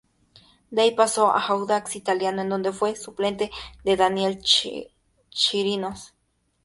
De ahí pasó a Audax Italiano, en donde fue suplente de Daniel Chirinos.